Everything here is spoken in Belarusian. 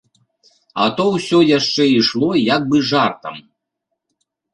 А то ўсё яшчэ ішло як бы жартам.